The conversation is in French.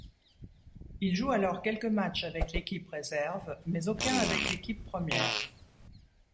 Il joue alors quelques matchs avec l'équipe réserve, mais aucun avec l'équipe première.